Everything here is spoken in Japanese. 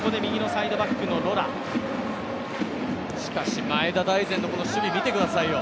しかし前田大然の守備見てくださいよ。